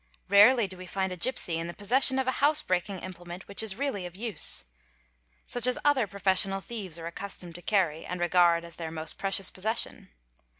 Rarely do we find a gipsy in _ Possession of a housebreaking implement which is really of use, such as = other professional thieves are accustomed to carry and regard as their iz "most precious possession.